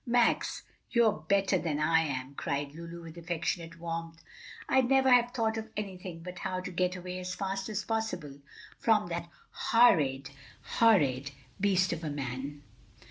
"Max, you're better than I am!" cried Lulu with affectionate warmth. "I'd never have thought of anything but how to get away as fast as possible from that horrid, horrid beast of a man."